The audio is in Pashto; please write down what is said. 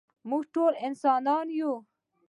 مونږ ټول انسانان يو.